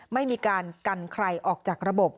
ไม่มีการกันใครออกจากระบบ